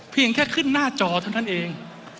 เพียงแค่ขึ้นหน้าจอเท่านั้นเอง